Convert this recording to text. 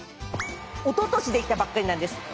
おととし出来たばっかりなんです。